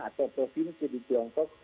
atau provinsi di tiongkok